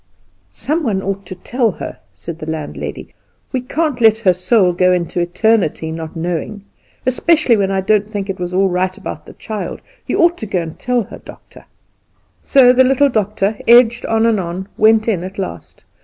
"Some one ought to tell her," said the landlady; "we can't let her soul go out into eternity not knowing, especially when I don't think it was all right about the child. You ought to go and tell her, doctor." So, the little doctor, edged on and on, went in at last.